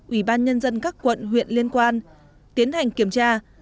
ubnd các quận huyện liên quan tiến hành kiểm tra